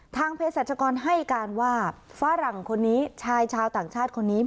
เพศรัชกรให้การว่าฝรั่งคนนี้ชายชาวต่างชาติคนนี้